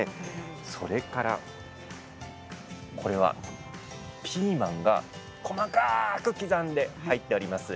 それからこれはピーマンが細かく刻んで入っております